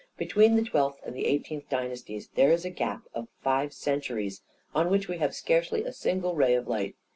" Between the twelfth and the eight eenth dynasties there is a gap of five centuries on which we have scarcely a single ray of light.